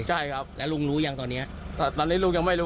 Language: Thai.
ใช่ครับแล้วลุงรู้ยังตอนนี้ตอนนี้ลุงยังไม่รู้